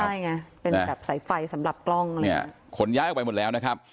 ใช่ไงเป็นแบบสายไฟสำหรับกล้องอะไรเนี่ยขนย้ายออกไปหมดแล้วนะครับ